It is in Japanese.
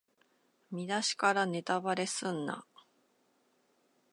見だしからネタバレすんな